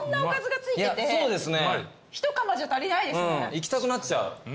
いきたくなっちゃう。